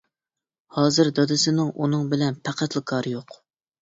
ھازىر دادىسىنىڭ ئۇنىڭ بىلەن پەقەتلا كارى يوق.